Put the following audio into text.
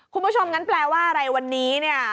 คุณผู้ชมงั้นแปลว่าอะไรวันนี้เนี่ย